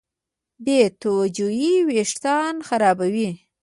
بېتوجهي وېښتيان خرابوي.